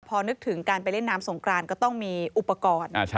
พอนึกถึงการไปเล่นน้ำสงกรานก็ต้องมีอุปกรณ์